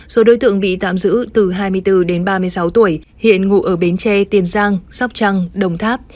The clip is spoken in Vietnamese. số đối tượng bị tạm giữ từ hai mươi bốn đến ba mươi sáu tuổi hiện ngụ ở bến tre tiền giang sóc trăng đồng tháp